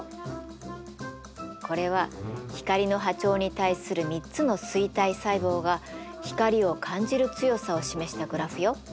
これは光の波長に対する３つの錐体細胞が光を感じる強さを示したグラフよ。